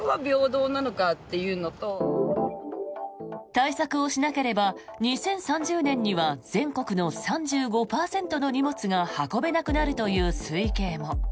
対策をしなければ２０３０年には全国の３５％の荷物が運べなくなるという推計も。